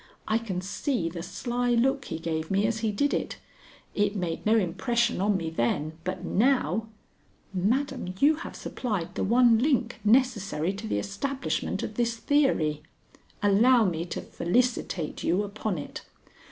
I can see the sly look he gave me as he did it. It made no impression on me then, but now " "Madam, you have supplied the one link necessary to the establishment of this theory. Allow me to felicitate you upon it.